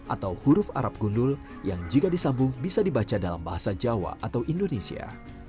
atau huruf arab gundul yang jika disambung bisa dibaca dalam bahasa jawa atau indonesia